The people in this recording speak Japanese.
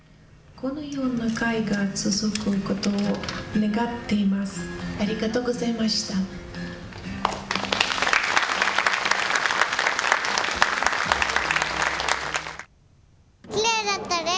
このような会が続くことを願っています。